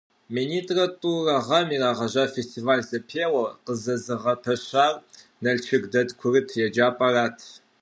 Минитӏрэ тӏу гъэм ирагъэжьа фестиваль-зэпеуэр къызэзыгъэпэщар Налшык дэт курыт еджапӏэрат.